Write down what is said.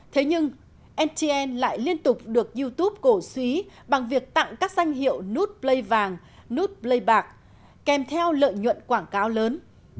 thế nhưng ntn lại liên tục được youtube cổ suý bằng việc tặng các danh hiệu nude play vàng nude play bạc kèm theo lợi nhuận quảng cáo lớn